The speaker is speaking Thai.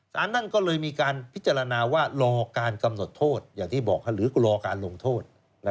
นั่นก็เลยมีการพิจารณาว่ารอการกำหนดโทษอย่างที่บอกหรือรอการลงโทษ